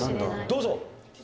どうぞ！